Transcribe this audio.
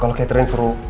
kalau ketrin suruh